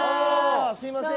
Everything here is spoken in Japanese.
すいません。